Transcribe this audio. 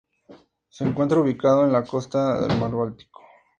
Se encuentra ubicado en la costa del mar Báltico.